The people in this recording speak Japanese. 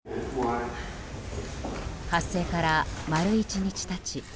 発生から丸１日経ち